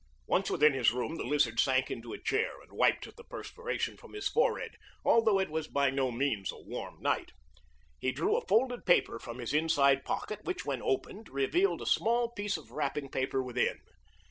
Once within his room the Lizard sank into a chair and wiped the perspiration from his forehead, although it was by no means a warm night. He drew a folded paper from his inside pocket, which, when opened, revealed a small piece of wrapping paper within.